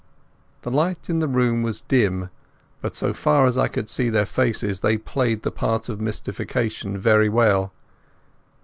The light in the room was dim, but so far as I could see their faces, they played the part of mystification very well.